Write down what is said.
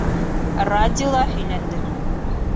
Радиола һөйләнде.